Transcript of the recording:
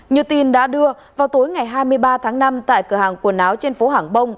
như tin đã đưa vào tối ngày hai mươi ba tháng năm tại cửa hàng quần áo trên phố hàng bông